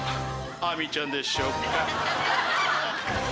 亜美ちゃんでしょうか？